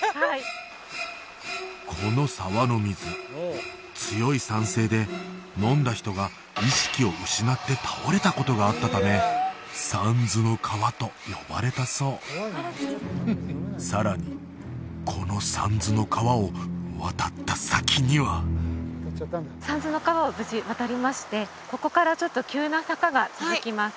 この沢の水強い酸性で飲んだ人が意識を失って倒れたことがあったため三途の川と呼ばれたそうさらにこの三途の川を渡った先には三途の川を無事渡りましてここからちょっと急な坂が続きます